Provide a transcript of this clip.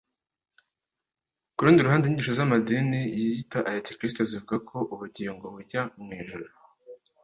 ku rundi ruhande, inyigisho z’amadini yiyita aya gikristo zivuga ko ubugingo bujya mu ijuru,